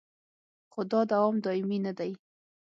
خو دا دوام دایمي نه دی